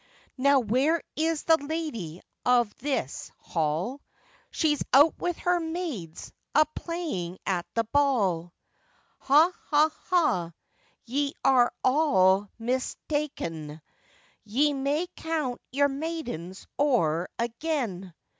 'Now where is the lady of this hall?' 'She's out with her maids a playing at the ball.' 'Ha, ha, ha! ye are all mista'en, Ye may count your maidens owre again.